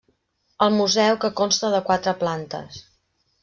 El museu que consta de quatre plantes.